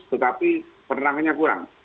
tetapi penerangannya kurang